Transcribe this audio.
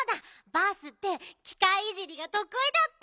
バースってきかいいじりがとくいだった。